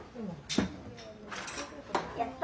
やった！